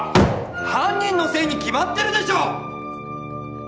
犯人のせいに決まってるでしょ！